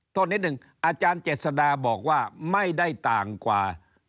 แต่อาจารย์เจษฎาบอกว่าไม่ได้ต่างกว่า